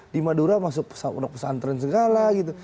di madura masuk pondok pesantren segala gitu